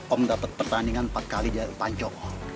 om dapat pertandingan empat kali di jalan tancok